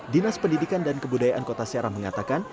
dinas pendidikan dan kebudayaan kota serang mengatakan